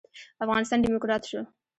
افغانستان ډيموکرات شو.